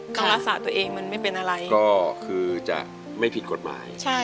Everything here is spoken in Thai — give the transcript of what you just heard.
รักษาตัวเองมันไม่เป็นอะไรก็คือจะไม่ผิดกฎหมาย